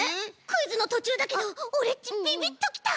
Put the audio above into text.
クイズのとちゅうだけどオレっちビビッときた！